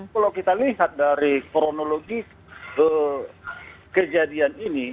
kalau kita lihat dari kronologi ke kejadian ini